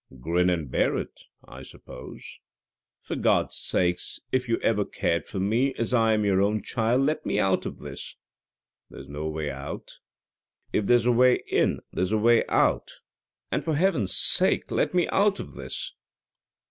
"Grin and bear it, I suppose." "For God's sake, if ever you cared for me, as I am your own child, let me out of this!" "There's no way out." "If there's a way in there's a way out, and for Heaven's sake let me out of this."